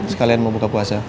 sekalian mau buka puasa